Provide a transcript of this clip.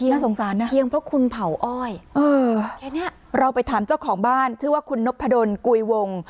น่าสงสารนะแค่นี้เราไปถามเจ้าของบ้านชื่อว่าคุณนพดลกุยวง